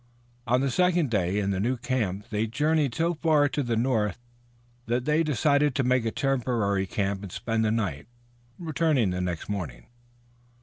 On the second day in the new camp they journeyed so far to the north that they decided to make a temporary camp and spend the night, returning the next morning.